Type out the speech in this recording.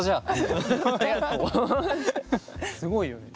すごいよね。